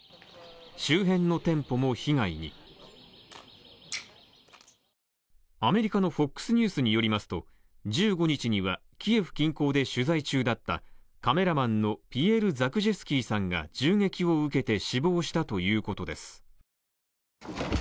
周辺の店舗も被害にアメリカのＦＯＸニュースによりますと１５日にはキエフ取材中だったカメラマンのピエール・ザクジェスキーさんが銃撃を受けて死亡したということです。